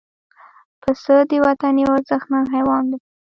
پسه د وطن یو ارزښتناک حیوان دی.